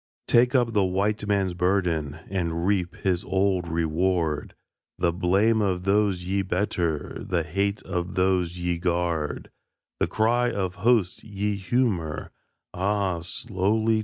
Take up the White Man's burden And reap his old reward; The blame of those ye better, The hate of those ye guard The cry of hosts ye humour (Ah, slowly!)